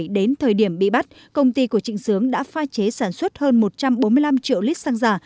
đến thời điểm bị bắt công ty của trịnh sướng đã phai chế sản xuất hơn một trăm bốn mươi năm triệu lít xăng giả